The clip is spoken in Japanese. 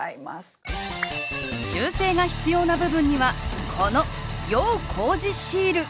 修正が必要な部分にはこの要工事シール